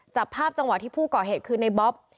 จับภาพจังหวะที่ผู้ก่อเหตุคือในบ๊อบ